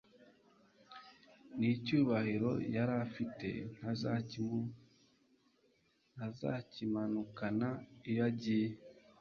n’icyubahiro yari afite ntazakimanukana iyo ngiyo